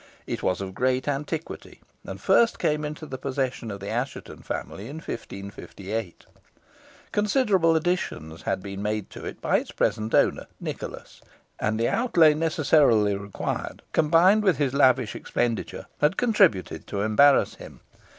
It was of great antiquity, and first came into the possession of the Assheton family in 1558. Considerable additions had been made to it by its present owner, Nicholas, and the outlay necessarily required, combined with his lavish expenditure, had contributed to embarrass him.